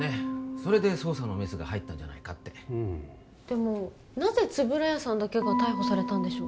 それで捜査のメスが入ったんじゃないかってうんでもなぜ円谷さんだけが逮捕されたんでしょう